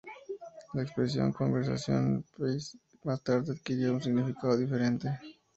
La expresión "conversation piece" más tarde adquirió un significado diferente.